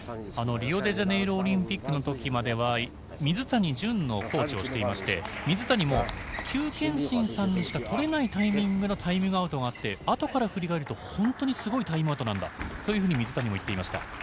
リオデジャネイロオリンピックの時までは水谷隼のコーチをしていまして水谷もキュウ・ケンシンさんにしかとれないタイミングでのタイムアウトがあってあとから振り返ると本当にすごいタイムアウトなんだと水谷も言っていました。